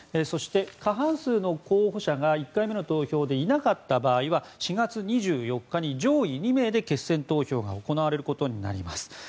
そして、過半数の候補者が１回目の投票でいなかった場合は４月２４日に上位２名で決選投票が行われることになります。